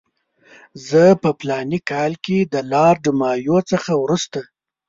زه په فلاني کال کې د لارډ مایو څخه وروسته.